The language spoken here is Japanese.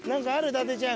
伊達ちゃん。